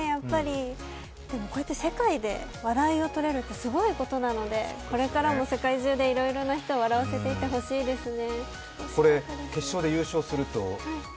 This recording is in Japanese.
すごいですね、こうやって世界で笑いを取れるってすごいことなのですごいことなので、これからも世界中でいろいろな人を笑わせていってほしいですね。